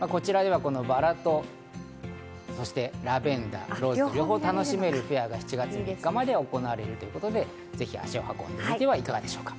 こちらでは、バラとラベンダー両方楽しめるフェアが７月３日まで行われているということで、ぜひ足を運んでみてはいかがでしょうか？